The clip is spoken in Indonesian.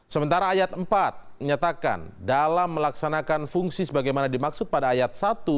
sementara ayat empat menyatakan dalam melaksanakan fungsi sebagaimana dimaksud pada ayat satu